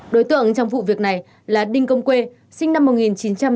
đối tượng trong vụ việc này là đinh công quê sinh năm một nghìn chín trăm tám mươi